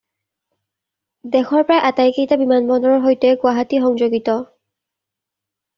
দেশৰ প্ৰায় আটাইকেইটা বিমান বন্দৰৰ সৈতে গুৱাহাটী সংযোগিত।